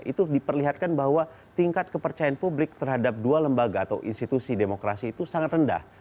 itu diperlihatkan bahwa tingkat kepercayaan publik terhadap dua lembaga atau institusi demokrasi itu sangat rendah